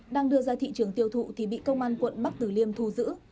đang đưa ra thị trường tiêu thụ thì bị công an quận bắc tử liêm thu giữ